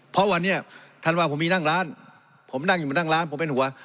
เพราะวันนี้ธันวาผมมีนั่งร้านผมนั่งอยู่มานั่งร้านผมเป็นหัว